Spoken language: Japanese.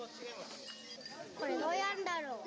これどうやるんだろう。